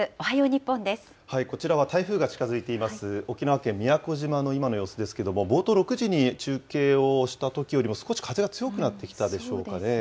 こちらは台風が近づいています、沖縄県宮古島の今の様子ですけれども、冒頭６時に中継をしたときよりも少し風が強くなってきたでしょう